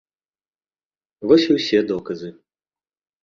Вось і ўсе доказы.